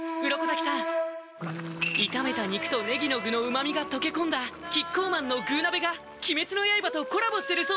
鱗滝さん炒めた肉とねぎの具の旨みが溶け込んだキッコーマンの「具鍋」が鬼滅の刃とコラボしてるそうです